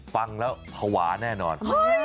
ฟังแล้วภาวะแน่นอน